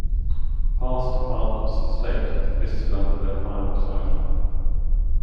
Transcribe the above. Past Departments of state, listed under their final title.